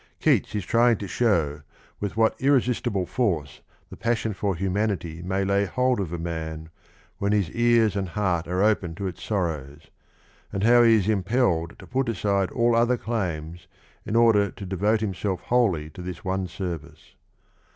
Keats is trying to show with what irresistible force the passion for humanity may lay hold of a man when his ears and heart are open to its sorrows, and how he is impelled to put aside all other claims in order to devote himself wholly to this one service.